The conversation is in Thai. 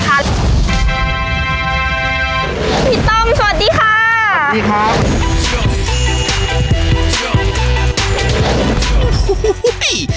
พี่ต้อมสวัสดีค่ะสวัสดีครับ